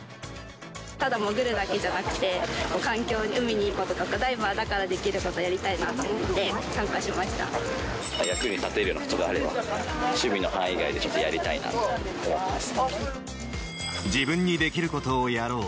ただ潜るだけじゃなくて、環境にいい、海にいいこととかダイバーだからできることやりたいなと思って、役に立てるようなことがあれば、趣味の範囲内でやりたいなと思ってます。